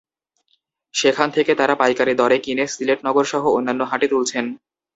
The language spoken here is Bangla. সেখান থেকে তাঁরা পাইকারি দরে কিনে সিলেট নগরসহ অন্যান্য হাটে তুলছেন।